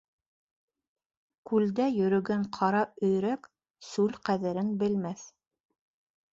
Күлдә йөрөгән ҡара өйрәк сүл ҡәҙерен белмәҫ